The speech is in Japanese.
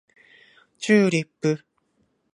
チューリップ